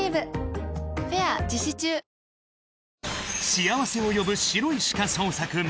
幸せを呼ぶ白いシカ